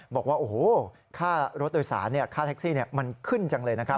บอกว่าโอ้โหค่ารถโดยสารค่าแท็กซี่มันขึ้นจังเลยนะครับ